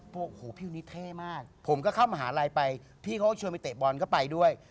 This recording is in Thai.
บอกโอ้โหพี่วันนี้เท่มากผมก็เข้ามหาลัยไปพี่เขาก็ชวนไปเตะบอลก็ไปด้วย